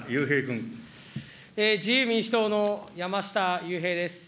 自由民主党の山下雄平です。